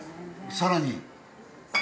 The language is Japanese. さらに。